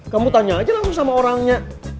kamu tanya aja langsung sama orangnya